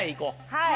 はい。